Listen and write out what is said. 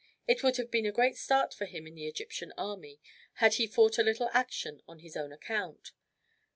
It would have been a great start for him in the Egyptian army had he fought a little action on his own account.